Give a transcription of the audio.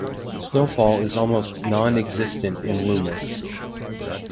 Snowfall is almost non-existent in Loomis.